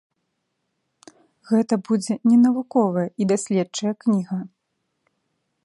Гэта будзе не навуковая і даследчая кніга.